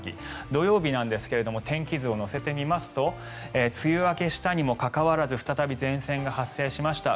土曜日なんですが天気図を乗せて見ますと梅雨明けしたにもかかわらず再び前線が発生しました。